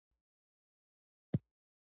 د شپې له خوا د څراغونو سم استعمال ډېر مهم دی.